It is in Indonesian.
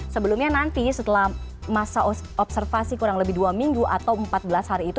sebelumnya nanti setelah masa observasi kurang lebih dua minggu atau empat belas hari itu